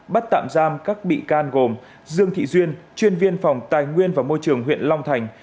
bắt tạm giam các bị can gồm dương thị duyên chuyên viên phòng tài nguyên và môi trường huyện long thành